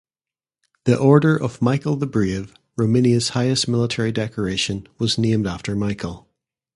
The Order of Michael the Brave, Romania's highest military decoration, was named after Michael.